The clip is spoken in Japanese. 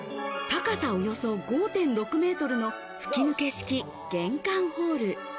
高さおよそ５．６メートルの吹き抜け式、玄関ホール。